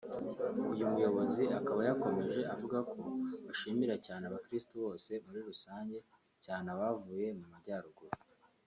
uyu muyobozi akaba yakomeje avugako bashimira cyane Abakristo bose muri rusange cyane abavuye Mu Majyaruguru